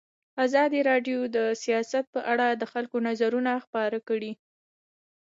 ازادي راډیو د سیاست په اړه د خلکو نظرونه خپاره کړي.